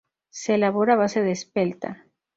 Se elabora a base de espelta.